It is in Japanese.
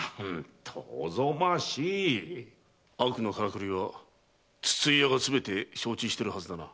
悪のカラクリは筒井屋がすべて承知しているはずだな。